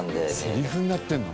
セリフになってるの？